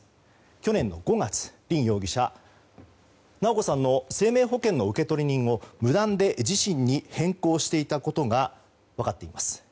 去年の５月、凜容疑者は直子さんの生命保険の受取人を無断で自身に変更していたことが分かっています。